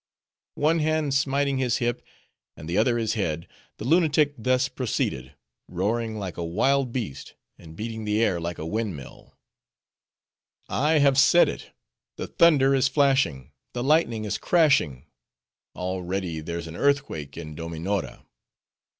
One hand smiting his hip, and the other his head, the lunatic thus proceeded; roaring like a wild beast, and beating the air like a windmill:— "I have said it! the thunder is flashing, the lightning is crashing! already there's an earthquake in Dominora!